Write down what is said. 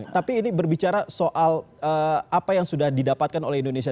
tapi ini berbicara soal apa yang sudah didapatkan oleh indonesia